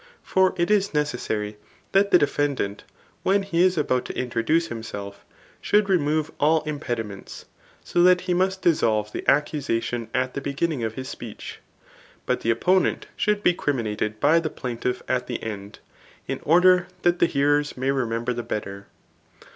For it is necessary that the defendant, when he is about to introduce himself, should remove all im«* pediments, so that he must dissolve the accusation at the b^inning of his speech ; but the opponent should be criminated by the plaintiff at the end, in order that the hearers may remember the better.